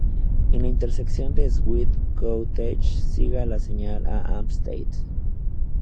En la intersección de Swiss Cottage, siga la señal a Hampstead.